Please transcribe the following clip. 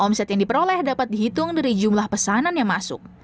omset yang diperoleh dapat dihitung dari jumlah pesanan yang masuk